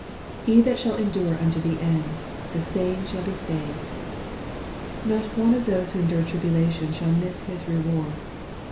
"He that shall endure unto the end, the same shall be saved." Not one of those who endure tribulation shall miss his reward.